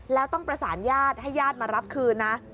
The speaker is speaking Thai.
แล้วต้องประสานญาติให้ญาติมารับคืนนะ